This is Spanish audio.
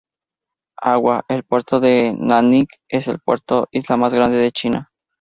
Agua: el Puerto de Nanjing es el puerto isla más grande de China.